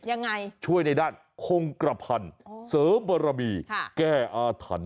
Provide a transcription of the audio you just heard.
ยังไงช่วยในด้านคงกระพันธ์เสริมบรมีแก้อาถรรพ์